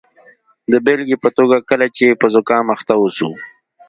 د بیلګې په توګه کله چې په زکام اخته اوسو.